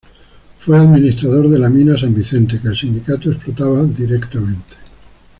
Fue administrador de la mina San Vicente, que el sindicato explotaba directamente.